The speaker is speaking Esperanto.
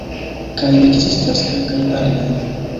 Kaj ekzistas kelkaj aliaj.